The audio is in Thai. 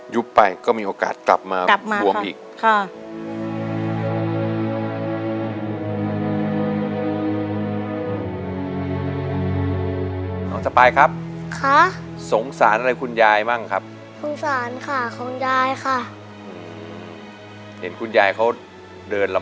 ยุบไปก็มีโอกาสกลับมาแบบมาค่ะ